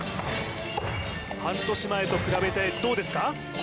半年前と比べてどうですか？